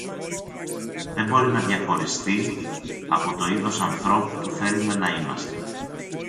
δεν μπορεί να διαχωριστεί από το είδος ανθρώπου που θέλουμε να είμαστε.